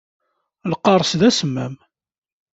Lqaṛes d asemmam.